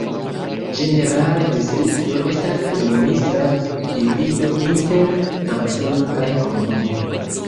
Ĝenerale distrikto estas administra divido inter kantono kaj komunumo.